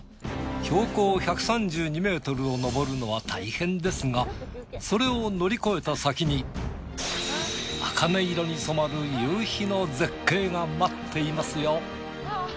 標高１３２ｍを登るのは大変ですがそれを乗り越えた先にあかね色に染まる夕日の絶景が待っていますよ。